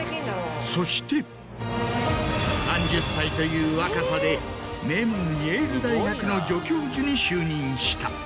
そして３０歳という若さで名門イェール大学の助教授に就任した。